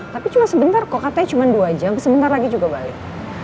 tapi cuma sebentar kok katanya cuma dua jam sebentar lagi juga balik